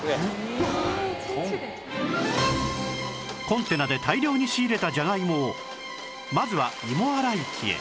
コンテナで大量に仕入れたじゃがいもをまずは芋洗い機へ